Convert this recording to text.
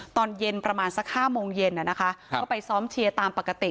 ตอนเย็นประมาณสัก๕โมงเย็นก็ไปซ้อมเชียร์ตามปกติ